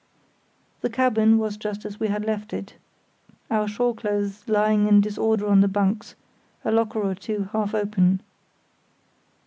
The cabin was just as we had left it, our shore clothes lying in disorder on the bunks, a locker or two half open.